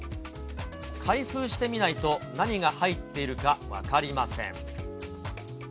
開封してみないと、何が入っているか分かりません。